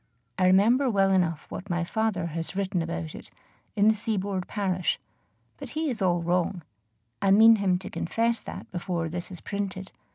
I remember well enough what my father has written about it in "The Seaboard Parish;" but he is all wrong I mean him to confess that before this is printed.